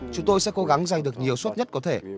chúng tôi sẽ cố gắng giành được nhiều suất nhất có thể